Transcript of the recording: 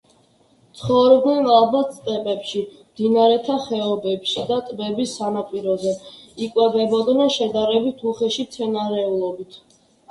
ცხოვრობდნენ ალბათ სტეპებში, მდინარეთა ხეობებში და ტბების სანაპიროზე; იკვებებოდნენ შედარებით უხეში მცენარეულობით.